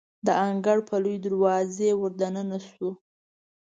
د انګړ په لویې دروازې وردننه شوو.